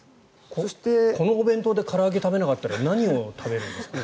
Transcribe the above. このお弁当でから揚げを食べなかったら何を食べるんですか？